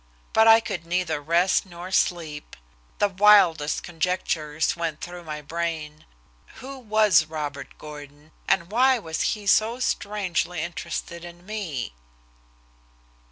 But I could neither rest nor sleep. The wildest conjectures went through my brain. Who was Robert Gordon, and why was he so strangely interested in me?